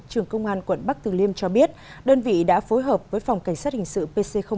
trưởng công an quận bắc từ liêm cho biết đơn vị đã phối hợp với phòng cảnh sát hình sự pc một